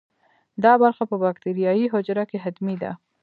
دا برخه په باکتریايي حجره کې حتمي ده.